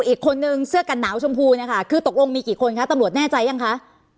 อีกคนนึงเสื้อกันหนาวชมพูนะคะคือตกลงมีกี่คนคะตำรวจแน่ใจยังคะ